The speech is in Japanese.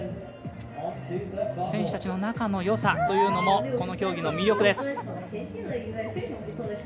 選手たちの仲の良さというのも、この競技の魅力です。